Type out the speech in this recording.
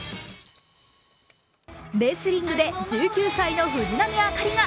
レスリングで１９歳の藤波朱理が